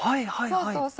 そうそうそう。